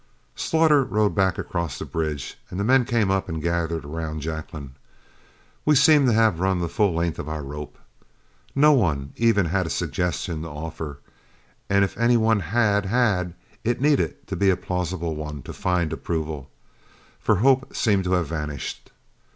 Slaughter rode back across the bridge, and the men came up and gathered around Jacklin. We seemed to have run the full length of our rope. No one even had a suggestion to offer, and if any one had had, it needed to be a plausible one to find approval, for hope seemed to have vanished.